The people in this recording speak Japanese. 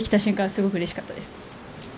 すごくうれしかったです。